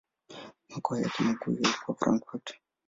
Makao yake makuu yalikuwa Frankfurt.